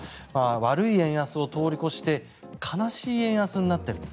悪い円安を通り越して悲しい円安になっている